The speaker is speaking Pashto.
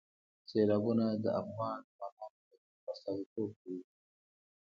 سیلابونه د افغان ځوانانو د هیلو استازیتوب کوي.